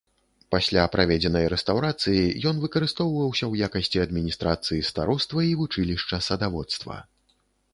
Пасля праведзенай рэстаўрацыі ён выкарыстоўваўся ў якасці адміністрацыі староства і вучылішча садаводства.